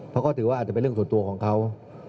เพราะเขาถือว่าอาจจะเป็นเรื่องส่วนตัวของเขา